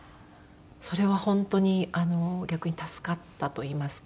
それは本当に逆に助かったといいますか。